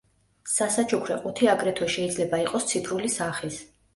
სასაჩუქრე ყუთი აგრეთვე შეიძლება იყოს ციფრული სახის.